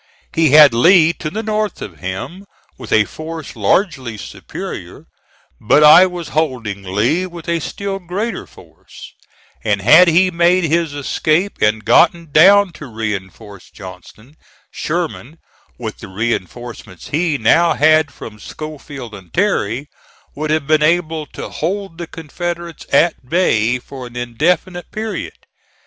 He had Lee to the north of him with a force largely superior; but I was holding Lee with a still greater force, and had he made his escape and gotten down to reinforce Johnston, Sherman, with the reinforcements he now had from Schofield and Terry, would have been able to hold the Confederates at bay for an indefinite period.